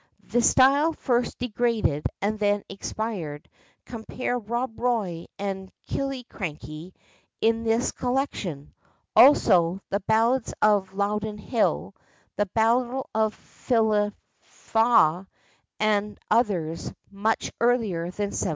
The style first degraded and then expired: compare Rob Roy and Killiecrankie, in this collection, also the ballads of Loudoun Hill, The Battle of Philiphaugh, and others much earlier than 1719.